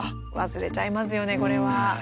忘れちゃいますよねこれは。